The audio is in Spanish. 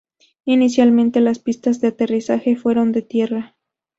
Inicialmente, las pistas de aterrizaje fueron de tierra.